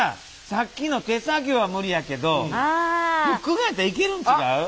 さっきの手作業は無理やけどフックガンやったらいけるん違う？